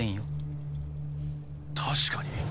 確かに。